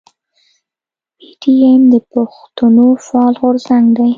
پي ټي ايم د پښتنو فعال غورځنګ دی.